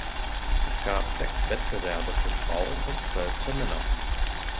Es gab sechs Wettbewerbe für Frauen und zwölf für Männer.